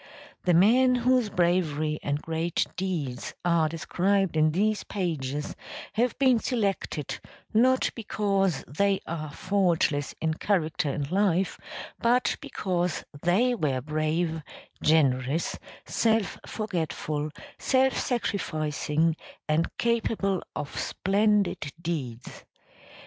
The men whose bravery and great deeds are described in these pages have been selected not because they are faultless in character and life, but because they were brave, generous, self forgetful, self sacrificing and capable of splendid deeds.